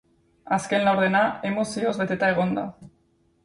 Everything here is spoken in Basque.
Azken laurdena emozioz beteta egon da.